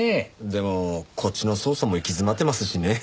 でもこっちの捜査も行き詰まってますしね。